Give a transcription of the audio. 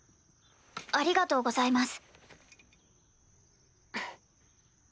ありがとうございます。